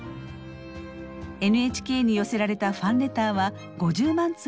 ＮＨＫに寄せられたファンレターは５０万通に達しました。